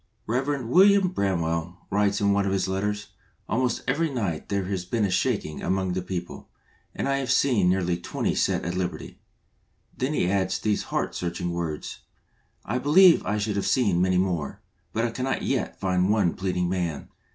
R ev. william BRAMWELL writes in one of his letters, "Almost every night there has been a shaking among the people, and I have seen nearly twenty set at liberty/* Then he adds these heart searching words :" I believe I should have seen many more, but I cannot yet find one pleading man.